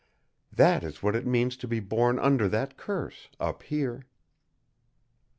THAT is what it means to be born under that curse up here."